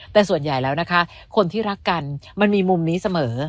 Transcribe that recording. แต่ส่วนใหญ่แล้วนะคะคนที่รักกันมันมีมุมนี้เสมอ